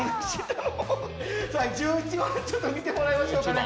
１１番、見てもらいましょうかね。